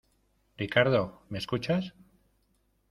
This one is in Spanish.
Ricardo, ¿ me escuchas?